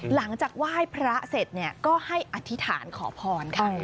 หลังจากไหว้พระเสร็จเนี่ยก็ให้อธิษฐานขอพรค่ะ